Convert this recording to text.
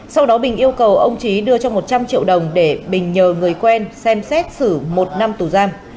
sau đó bình yêu cầu ông trí đưa cho một trăm linh triệu đồng để bình nhờ người quen xem xét xử một năm tù giam